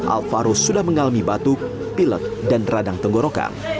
alvaro sudah mengalami batuk pilet dan radang tenggorokan